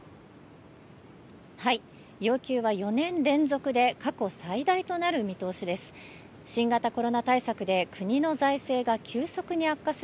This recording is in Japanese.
要求は４年連続で過去最大となる見通しです。